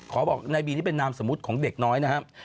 บอกนายบีนี่เป็นนามสมมุติของเด็กน้อยนะครับ